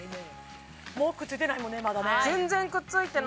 もうくっついてないもんねまだね